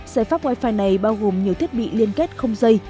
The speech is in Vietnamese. giải pháp wifi này bao gồm nhiều thiết bị liên kết không dây